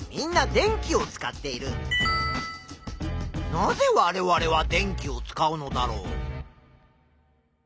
なぜわれわれは電気を使うのだろう？